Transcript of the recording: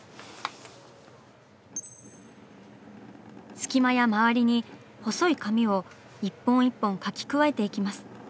隙間や周りに細い髪を１本１本描き加えていきます。